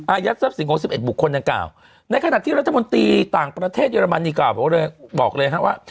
อายัดทรัพย์สิน๖๑บุคคลอย่างเก่าในขณะที่รัฐมนตรีต่างประเทศเยอรมนีก็บอกเลยครับว่า